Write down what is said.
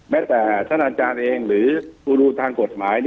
แม้แต่ท่านอาจารย์เองหรือครูรูทางกฎหมาย